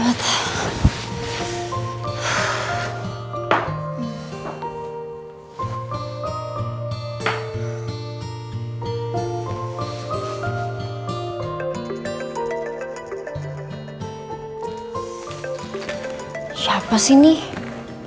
gak tahu apa orang lagi capek